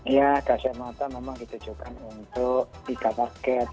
ya gas air mata memang ditujukan untuk tiga target